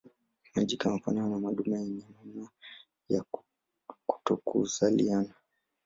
Majike wanafanana na madume yenye manyoya ya kutokuzaliana.